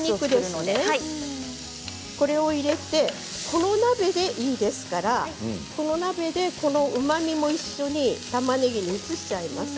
この鍋でいいですからこのお鍋でうまみも一緒にたまねぎに移しちゃいます。